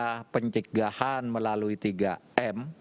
merupakan upaya pencegahan melalui tiga m